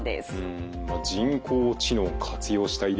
人工知能を活用した医療